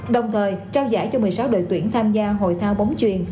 đồng thời trao giải cho một mươi sáu đội tuyển tham gia hội thao bóng truyền